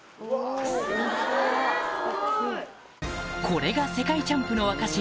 これが世界チャンプの証し